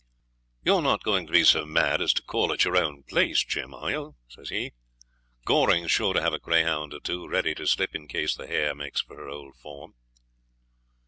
'You're not going to be so mad as to call at your own place, Jim, are you?' says he. 'Goring's sure to have a greyhound or two ready to slip in case the hare makes for her old form.'